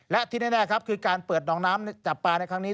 และที่แน่ครับคือการเปิดหนองน้ำจับปลาในครั้งนี้